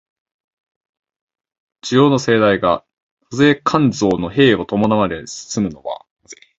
需要の盛大が粗製濫造の弊を伴わないで済むのは、